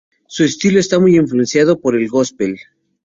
Su estilo está muy influenciado por el gospel.